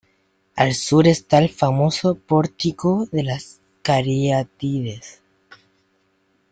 Al sur está el famoso pórtico de las Cariátides.